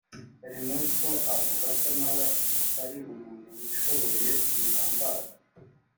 Ernesto avuga ko nawe atari umuntu wishoboye bihambaye